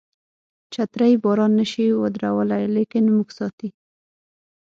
چترۍ باران نشي ودرولای لیکن موږ ساتي.